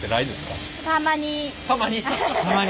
たまに？